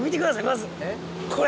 まずこれ。